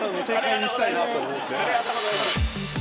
ありがとうございます。